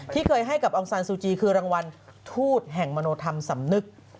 ที่เคยให้กับองซานซูจีคือรางวัลทูตแห่งมโนธรรมสำนึก